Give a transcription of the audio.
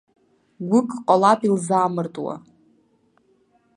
Гәык ҟалап илзаамыртуа!